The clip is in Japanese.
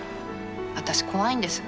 私怖いんです。